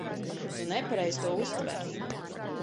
Tu nepareizi to uztver.